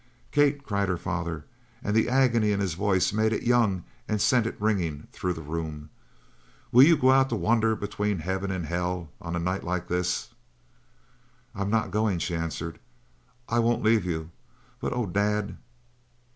"Kate!" cried her father, and the agony in his voice made it young and sent it ringing through the room. "Will you go out to wander between heaven and hell on a night like this?" "I'm not going!" she answered, "I won't leave you but oh Dad!